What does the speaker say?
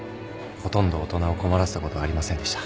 ほとんど大人を困らせたことはありませんでした。